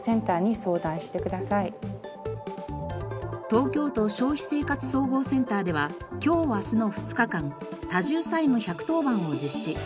東京都消費生活総合センターでは今日明日の２日間多重債務１１０番を実施。